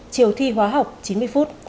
chiều thi hóa học chín mươi phút